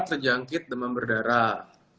terjangkit demam berdarah